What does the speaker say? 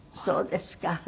そうですか。